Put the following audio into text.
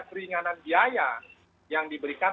keringanan biaya yang diberikan